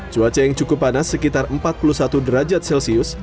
cuaca yang cukup panas sekitar empat puluh satu derajat celcius